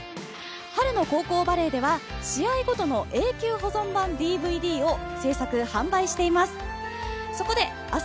春の高校バレーでは試合ごとの永久保存版ＤＶＤを制作、販売しています。